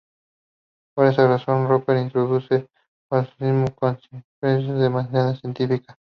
Por esa razón Popper introduce al falsacionismo como un criterio de demarcación científica.